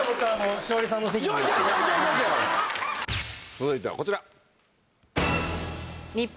続いてはこちら。